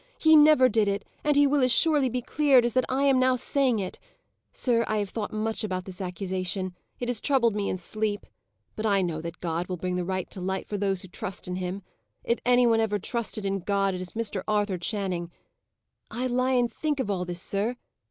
He never did it, and he will as surely be cleared, as that I am now saying it! Sir, I have thought much about this accusation; it has troubled me in sleep; but I know that God will bring the right to light for those who trust in Him. If any one ever trusted in God, it is Mr. Arthur Channing. I lie and think of all this, sir.